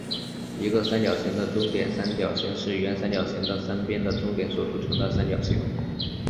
一个三角形的中点三角形是原三角形的三边的中点所组成的三角形。